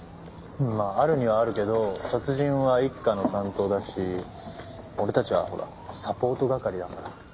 まああるにはあるけど殺人は一課の担当だし俺たちはほらサポート係だから。